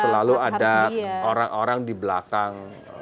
selalu ada orang orang di belakang